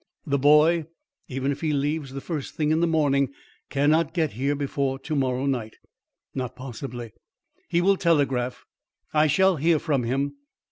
The boy, even if he leaves the first thing in the morning, cannot get here before to morrow night." "Not possibly." "He will telegraph. I shall hear from him.